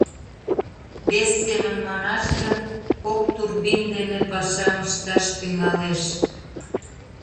Вес семын манаш гын, кок турбин дене пашам ышташ тӱҥалеш.